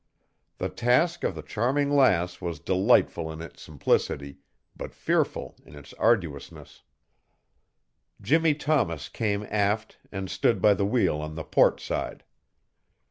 The task of the Charming Lass was delightful in its simplicity, but fearful in its arduousness. Jimmie Thomas came aft and stood by the wheel on the port side.